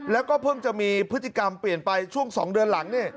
แล้วก็เพิ่งจะมีพฤติกรรมเปลี่ยนไปช่วง๒เดือนหลัง